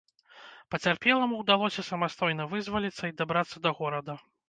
Пацярпеламу ўдалося самастойна вызваліцца і дабрацца да горада.